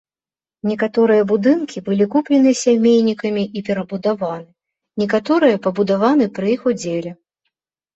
Некаторыя будынкі былі куплены сямейнікамі і перабудаваны, некаторыя пабудаваны пры іх удзеле.